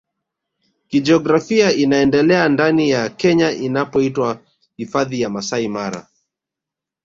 Kijiografia inaendelea ndani ya Kenya inapoitwa Hifadhi ya Masai Mara